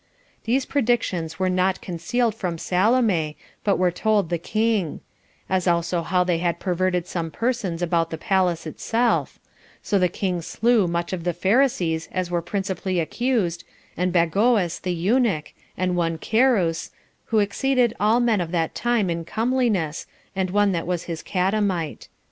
These predictions were not concealed from Salome, but were told the king; as also how they had perverted some persons about the palace itself; so the king slew such of the Pharisees as were principally accused, and Bagoas the eunuch, and one Carus, who exceeded all men of that time in comeliness, and one that was his catamite.